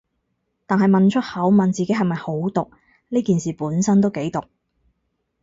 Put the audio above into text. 但係問出口，問自己係咪好毒，呢件事本身都幾毒